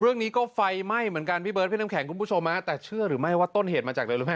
เรื่องนี้ก็ไฟไหม้เหมือนกันพี่เบิร์ดพี่น้ำแข็งคุณผู้ชมฮะแต่เชื่อหรือไม่ว่าต้นเหตุมาจากอะไรรู้ไหม